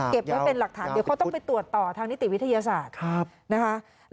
ไว้เป็นหลักฐานเดี๋ยวเขาต้องไปตรวจต่อทางนิติวิทยาศาสตร์นะคะ